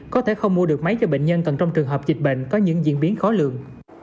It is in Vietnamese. có thể không mua được máy cho bệnh nhân cần trong trường hợp dịch bệnh có những diễn biến khó lường